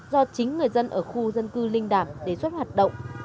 do chính người dân ở khu dân cư linh đàm đề xuất hoạt động